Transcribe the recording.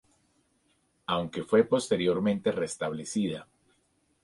Aunque fue posteriormente restablecida.